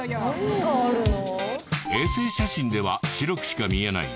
衛星写真では白くしか見えない